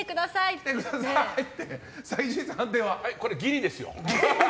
これ、ギリですよ。